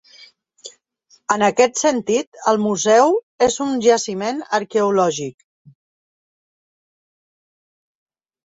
En aquest sentit, el museu és un jaciment arqueològic.